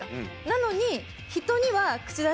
なのに。